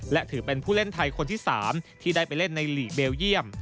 และถือเป็นผู้เล่นไทยคนที่๓ที่ได้ไปเล่นในหลีกเบลเยี่ยม